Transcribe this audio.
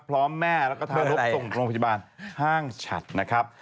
พร้อมแม่แล้วก็ทางรถส่งตรงพฤบาลห้างฉัดนะครับ